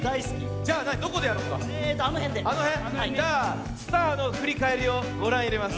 じゃあスターのふりかえりをごらんいれます。